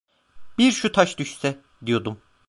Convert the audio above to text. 'Bir şu taş düşse!' diyordum.